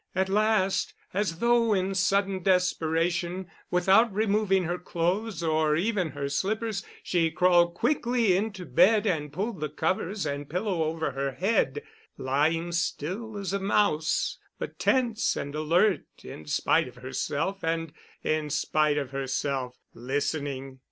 At last, as though in sudden desperation, without removing her clothes, or even her slippers, she crawled quickly into the bed and pulled the covers and pillow over her head, lying still as a mouse, but tense and alert in spite of herself and—in spite of herself—listening.